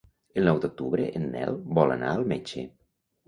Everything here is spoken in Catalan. El nou d'octubre en Nel vol anar al metge.